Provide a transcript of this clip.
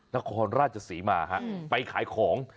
ทะศาราชศรีมาไปขายของ